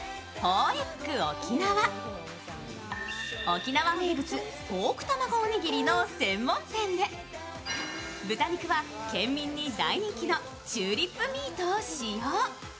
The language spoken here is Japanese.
沖縄名物、ポークたまごおにぎりの専門店で豚肉は県民に大人気のチューリップミートを使用。